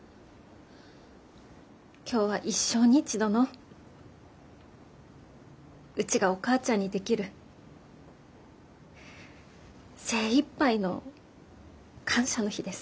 今日は一生に一度のうちがお母ちゃんにできる精いっぱいの感謝の日です。